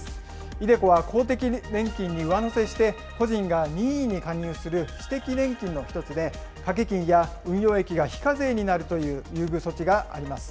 ｉＤｅＣｏは公的年金に上乗せして、個人が任意に加入する私的年金の一つで、掛金や運用益が非課税になるという優遇措置があります。